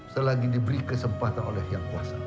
selagi diberi kesempatan oleh yang kuasa